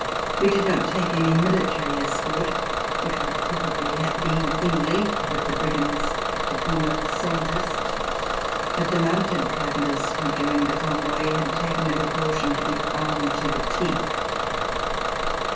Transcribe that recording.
We did not take any military escort, which would have probably been in league with the brigands, the former soldiers, but the mounted travellers who joined the convoy had taken the DEPARTURE FOR EUROPE precaution to be armed to the teeth.